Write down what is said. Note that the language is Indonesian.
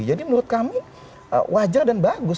jadi menurut kami wajar dan bagus